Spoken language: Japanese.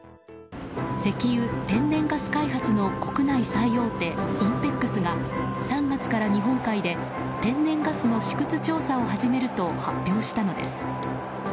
石油・天然ガス開発の国内最大手ＩＮＰＥＸが３月から日本海で天然ガスの試掘調査を始めると発表したのです。